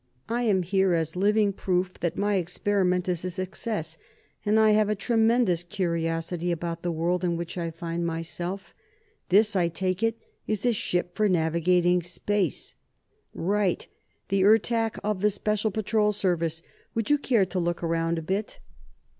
"I am here as living proof that my experiment is a success, and I have a tremendous curiosity about the world in which I find myself. This, I take it, is a ship for navigating space?" "Right! The Ertak, of the Special Patrol Service. Would you care to look around a bit?"